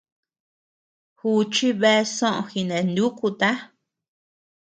Juchi bea soʼö jinenúkuta.